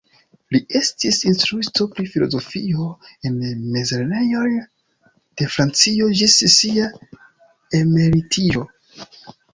Li estis instruisto pri filozofio en mezlernejoj de Francio ĝis sia emeritiĝo.